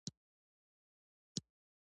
د زړه ناروغۍ د سګرټ څکونکو کې ډېرې وي.